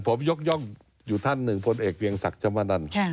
ผมยกย่องอยู่ท่านหนึ่งพลเอกเวียงศักดิ์ชมนัน